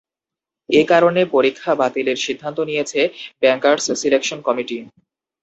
এ কারণে পরীক্ষা বাতিলের সিদ্ধান্ত নিয়েছে ব্যাংকার্স সিলেকশন কমিটি।